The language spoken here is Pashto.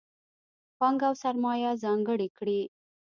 پانګه او سرمایه ځانګړې کړي.